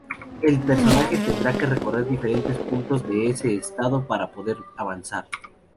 El personaje tendrá que recorrer diferentes puntos de ese estado para poder avanzar.